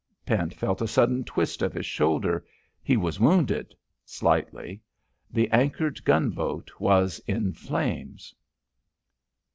... Pent felt a sudden twist of his shoulder. He was wounded slightly.... The anchored gunboat was in flames.